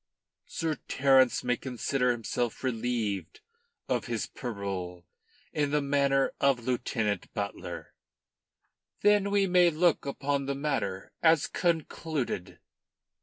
Sir Terence may consider himself relieved of his parole in the matter of Lieutenant Butler." "Then we may look upon the matter as concluded."